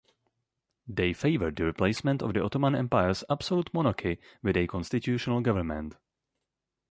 They favoured the replacement of the Ottoman Empire's absolute monarchy with a constitutional government.